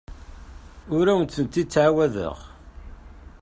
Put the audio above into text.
Ur awent-d-ttɛawadeɣ.